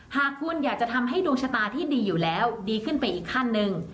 หากคุณอยากจะทำให้ดวงชะตาที่ดีอยู่แล้วดีขึ้นไปอีกขั้นหนึ่ง